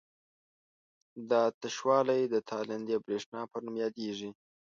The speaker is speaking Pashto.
دا تشوالی د تالندې او برېښنا په نوم یادیږي.